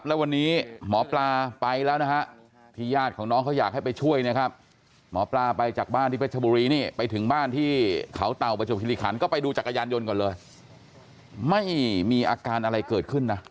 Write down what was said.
ในนี้ค่ะหน้ากว่างที่หมอปลาจะมาน้องเขาก็พูดอะไรมั้ยครับ